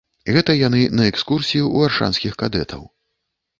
Гэта яны на экскурсіі ў аршанскіх кадэтаў.